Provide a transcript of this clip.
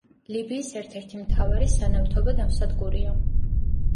ლიბიის ერთ-ერთი მთავარი სანავთობო ნავსადგურია.